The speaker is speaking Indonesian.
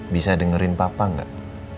bisa dengerin papa gak